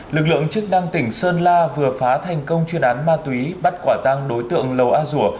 lực lượng chức năng tỉnh sơn la vừa phá thành công chuyên án ma túy bắt quả tăng đối tượng lầu a rùa